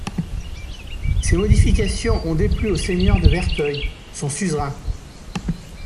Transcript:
Ces modifications on déplu au seigneur de Verteuil, son suzerain.